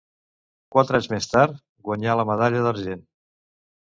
Quatre anys més tard guanyà la medalla d'argent.